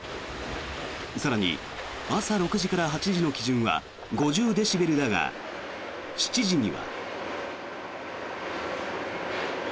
更に、朝６時から８時の基準は５０デシベルだが７時には。